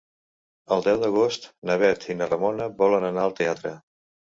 El deu d'agost na Bet i na Ramona volen anar al teatre.